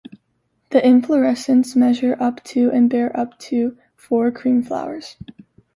The inflorescences measure up to and bear up to four cream flowers.